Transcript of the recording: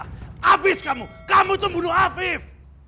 habis kamu kamu tuh bunuh afif